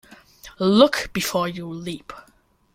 Look before you leap.